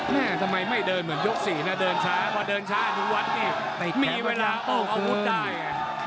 แม่ทำไมไม่เดินเหมือนยก๔นะเดินช้าพอเดินช้าอนุวัฒน์นี่มีเวลาออกอาวุธได้